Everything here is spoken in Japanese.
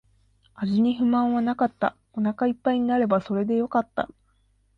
味に不満はなかった。お腹一杯になればそれでよかった。